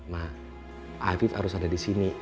ma afif harus ada di sini